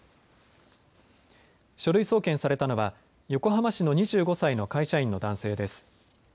書類送検されたのは横浜市の２５歳の会社員の男性です。